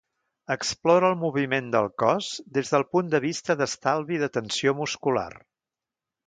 Explora el moviment del cos des del punt de vista d'estalvi de tensió muscular.